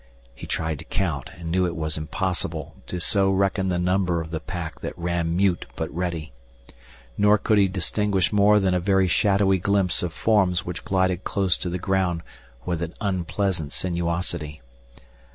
Eyes he tried to count and knew it was impossible to so reckon the number of the pack that ran mute but ready. Nor could he distinguish more than a very shadowy glimpse of forms which glided close to the ground with an unpleasant sinuosity.